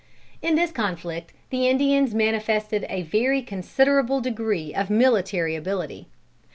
In this conflict the Indians manifested a very considerable degree of military ability.